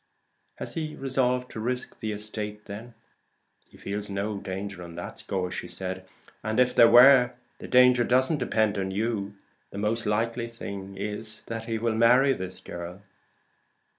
"Has he resolved to risk the estate then?" "He feels in no danger on that score. And if there were, the danger doesn't depend on you. The most likely thing is, that he will marry this girl."